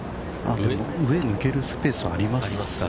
◆上、抜けるスペース、ありますね。